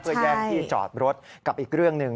เพื่อแย่งที่จอดรถกับอีกเรื่องหนึ่ง